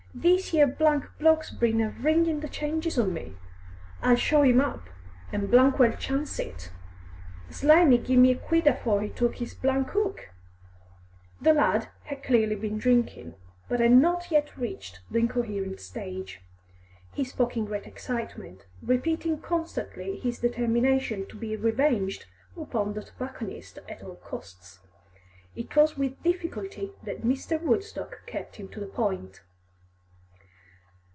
This 'ere bloke's been a ringin' the changes on me; I'll show him up, an' well chance it. Slimy give me a quid afore he took his hook." The lad had clearly been drinking, but had not yet reached the incoherent stage. He spoke in great excitement, repeating constantly his determination to be revenged upon the tobacconist at all costs. It was with difficulty that Mr. Woodstock kept him to the point.